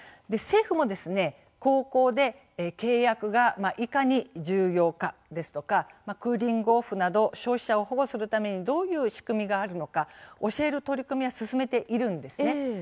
政府も高校で契約がいかに重要かですとかクーリング・オフなど消費者を保護するためにどういう仕組みがあるのか教える取り組みを進めているんですね。